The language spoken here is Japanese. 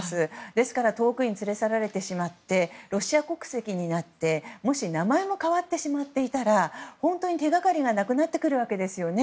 ですから遠くに連れ去られてしまってロシア国籍になってもし名前も変わってしまっていたら本当に手掛かりがなくなってくるわけですよね。